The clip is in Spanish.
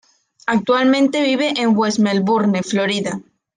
Actualmente vive en West Melbourne, Florida.